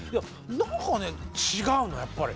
何かね違うのやっぱり。